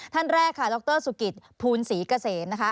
ท่านแรกค่ะดรสุกิตภูลศรีเกษมนะคะ